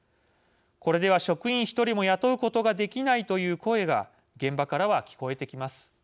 「これでは職員１人も雇うことができない」という声が現場からは聞こえてきます。